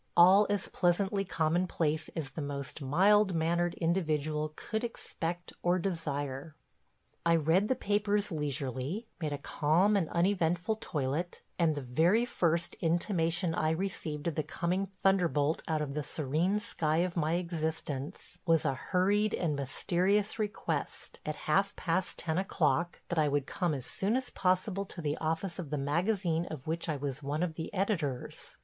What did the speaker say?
All as pleasantly commonplace as the most mild mannered individual could expect or desire. I read the papers leisurely, made a calm and uneventful toilet, and the very first intimation I received of the coming thunderbolt out of the serene sky of my existence was a hurried and mysterious request, at half past ten o'clock, that I would come as soon as possible to the office of the magazine of which I was one of the editors.